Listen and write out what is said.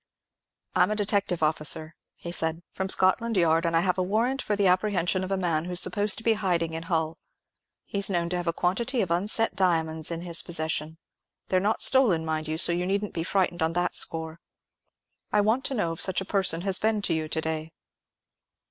"I'm a detective officer," he said, "from Scotland Yard, and I have a warrant for the apprehension of a man who's supposed to be hiding in Hull. He's known to have a quantity of unset diamonds in his possession—they're not stolen, mind you, so you needn't be frightened on that score. I want to know if such a person has been to you to day?"